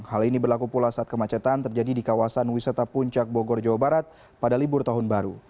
hal ini berlaku pula saat kemacetan terjadi di kawasan wisata puncak bogor jawa barat pada libur tahun baru